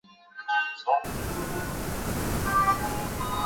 文正是日本年号之一。